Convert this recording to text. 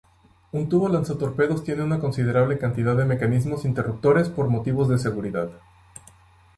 Un tubo lanzatorpedos tiene una considerable cantidad de mecanismos interruptores por motivos de seguridad.